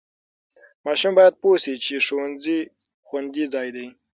ماشوم باید پوه شي چې ښوونځي خوندي ځای دی.